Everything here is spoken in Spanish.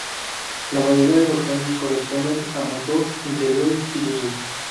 La mayoría de los cambios corresponden a motor, interiores y luces.